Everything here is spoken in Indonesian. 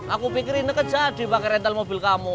aku pikir ineke jadi pake rental mobil kamu